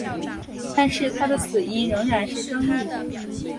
但是他的死因依然是争议。